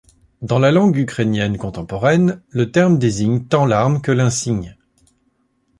Dans la langue ukrainienne contemporaine, le terme désigne tant l'arme que l'insigne.